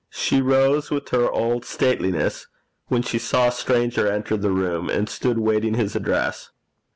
She rose with her old stateliness when she saw a stranger enter the room, and stood waiting his address.